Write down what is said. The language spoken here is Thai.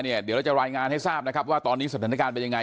เดี๋ยวเราจะรายงานให้ทราบนะครับว่าตอนนี้สถานการณ์เป็นยังไง